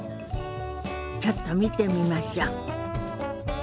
ちょっと見てみましょ。